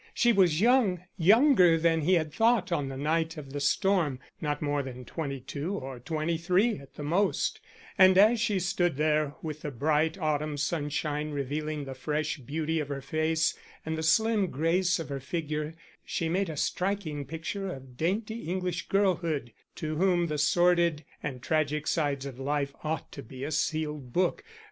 She was young, younger than he had thought on the night of the storm not more than twenty two or twenty three at the most and as she stood there, with the bright autumn sunshine revealing the fresh beauty of her face and the slim grace of her figure, she made a striking picture of dainty English girlhood, to whom the sordid and tragic sides of life ought to be a sealed book.